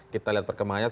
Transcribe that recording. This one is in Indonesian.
kita lihat perkembangannya